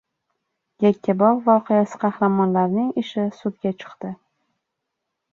«Yakkabog‘ voqeasi» qahramonlarining ishi sudga chiqdi